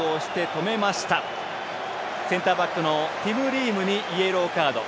センターバックのティム・リームにイエローカード。